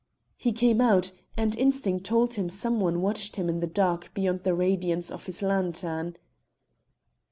He came out, and instinct told him some one watched him in the dark beyond the radiance of his lantern.